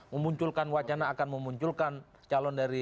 memunculkan wacana akan memunculkan calon dari